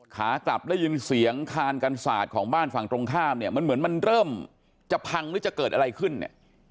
ขากลับได้ยินเสียงคานกันศาสตร์ของบ้านฝั่งตรงข้ามเนี่ยมันเหมือนมันเริ่มจะพังหรือจะเกิดอะไรขึ้นเนี่ย